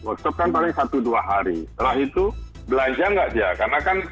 workshop kan paling satu dua hari setelah itu belanja nggak dia karena kan